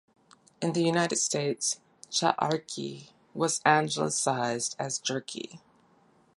In the United States "ch'arki" was Anglicised as "jerky".